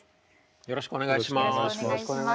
よろしくお願いします。